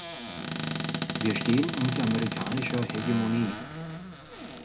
Wir stehen unter amerikanischer Hegemonie.